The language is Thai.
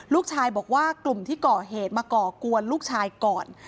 ลูกชายบอกว่ากลุ่มที่ก่อเหตุมาก่อกวนลูกชายก่อน